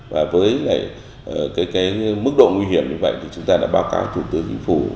và với cái mức độ nguy hiểm như vậy thì chúng ta đã báo cáo thủ tướng chính phủ